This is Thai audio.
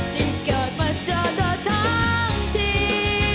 ที่เกิดมาเจอเธอทั้งที